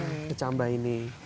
nah kecambah ini